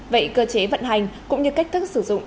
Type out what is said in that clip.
vậy cơ chế vận hành cũng như cách thức sử dụng